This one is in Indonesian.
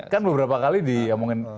kan beberapa kali diomongin